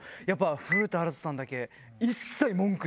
古田新太さんだけ。